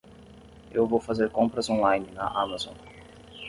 Eu vou fazer compras on-line na Amazon.